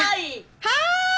はい！